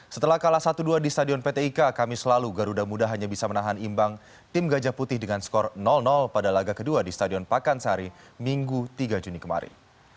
setelah kalah satu dua di stadion pt ika kami selalu garuda muda hanya bisa menahan imbang tim gajah putih dengan skor pada laga kedua di stadion pakansari minggu tiga juni kemarin